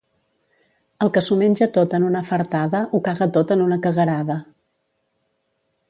El que s'ho menja tot en una fartada, ho caga tot en una caguerada.